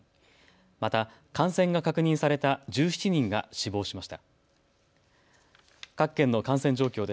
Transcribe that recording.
また感染が確認された１７人が死亡しました。